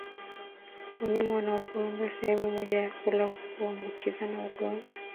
Wanyama wanaporundikwa sehemu moja ya kula huambukizana ugonjwa